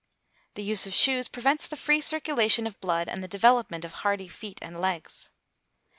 The use of shoes prevents the free circulation of blood and the development of hardy feet and legs.